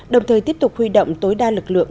đồng thời tiếp tục huy động tối đa lực lượng